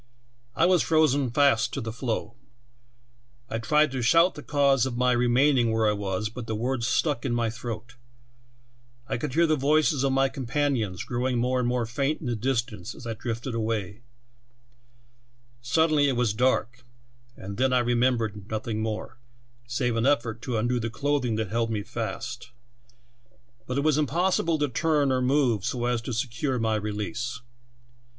"I was frozen fast to the floe ! I tried to shout the cause of my remaining where I was, but the words stuck in my throat. I could hear the voices of my compan ions growing more and more faint in the distance as I drifted away from "I WAS FROZEN FAST TO THE FLOE." thcm . Sud" denly it grew dark, and then — I remembered nothing more, save an effort to undo the cloth ing that held me fast, but it was impossible to turn or move so as to secure my release.